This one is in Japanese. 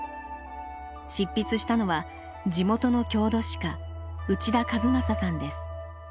執筆したのは地元の郷土史家内田一正さんです。